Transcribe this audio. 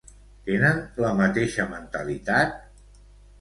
Tenen la mateixa mentalitat?